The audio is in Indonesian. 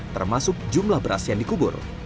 termasuk jumlah beras yang dikubur